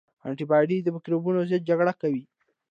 انټي باډي د مکروبونو ضد جګړه کوي